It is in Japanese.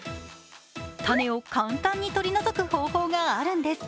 種を簡単に取り除く方法があるんです。